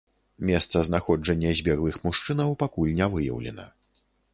Месца знаходжання збеглых мужчынаў пакуль не выяўлена.